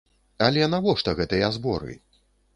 Але навошта гэтыя зборы?